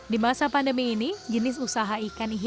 di masa pandemi ini jenis usaha ini tidak akan berhasil